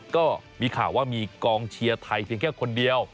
ก็มีข่าวว่ามีกองเชียร์ไทยเพียงแค่คนเดียว